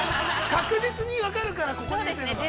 確実に分かるから、ここにというのが。